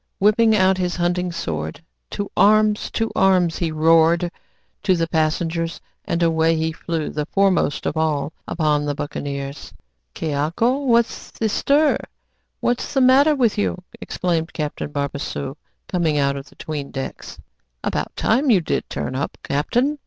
Whipping out his hunting sword, "To arms! to arms!" he roared to the passengers; and away he flew, the foremost of all, upon the buccaneers. "Ques aco? What's the stir? What's the matter with you?" exclaimed Captain Barbassou, coming out of the 'tweendecks. "About time you did turn up, captain!